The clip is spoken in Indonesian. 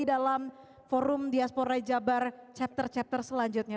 dalam forum diaspora jabar chapter chapter selanjutnya